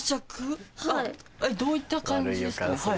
どういった感じですか？